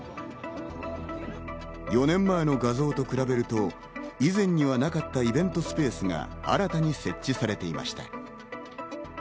４年前の画像と比べると以前にはなかったイベントスペースが新たに設置されていました。